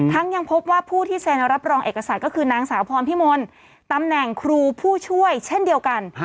ยังพบว่าผู้ที่เซ็นรับรองเอกสารก็คือนางสาวพรพิมลตำแหน่งครูผู้ช่วยเช่นเดียวกัน